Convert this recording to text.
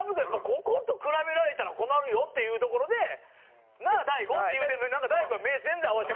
ここと比べられたら困るよっていうところで「なあ大悟」って言うてるのになんか大悟が。